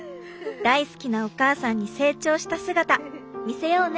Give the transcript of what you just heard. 大好きなお母さんに成長した姿見せようね！